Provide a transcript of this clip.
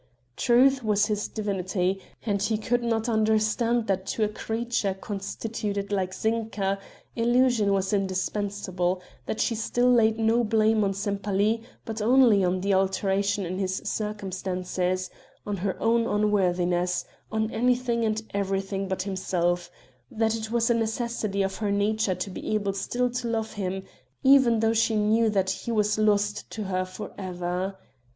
Truth was his divinity, and he could not understand that to a creature constituted like Zinka, illusion was indispensable; that she still laid no blame on Sempaly, but only on the alteration in his circumstances on her own unworthiness on anything and everything but himself; that it was a necessity of her nature to be able still to love him, even though she knew that he was lost to her forever.